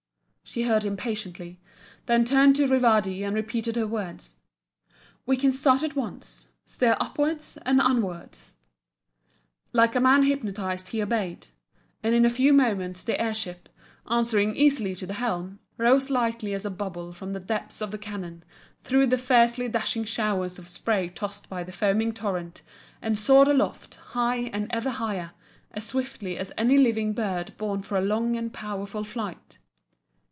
She heard him patiently, then turned to Rivardi and repeated her words "We can start at once. Steer upwards and onwards." Like a man hypnotised he obeyed, and in a few moments the air ship, answering easily to the helm, rose lightly as a bubble from the depths of the canon, through the fiercely dashing showers of spray tossed by the foaming torrent, and soared aloft, high and ever higher, as swiftly as any living bird born for long and powerful flight.